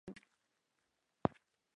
غر چې څومره جګ وي په سر لار لري